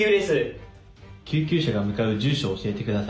「救急車が向かう住所を教えて下さい」。